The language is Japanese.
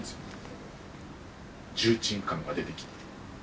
重鎮感が出てきて。